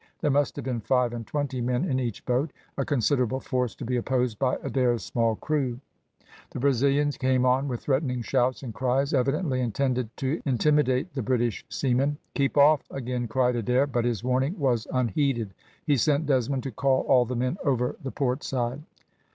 There must have been five and twenty men in each boat; a considerable force to be opposed by Adair's small crew. The Brazilians came on with threatening shouts and cries, evidently intended to intimidate the British seamen. "Keep off," again cried Adair, but his warning was unheeded. He sent Desmond to call all the men over the port side.